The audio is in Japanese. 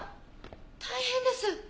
大変です。